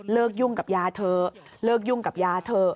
เลิกยุ่งกับยาเธอเลิกยุ่งกับยาเธอ